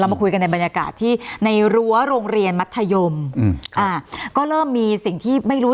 มาคุยกันในบรรยากาศที่ในรั้วโรงเรียนมัธยมอืมอ่าก็เริ่มมีสิ่งที่ไม่รู้